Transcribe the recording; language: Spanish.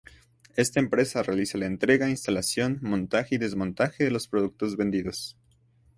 Esta empresa realiza la entrega, instalación, montaje y desmontaje de los productos vendidos.